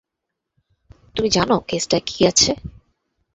তুমি জানো কেসটায় কী আছে।